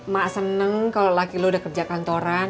mak seneng kalau laki lo udah kerja kantoran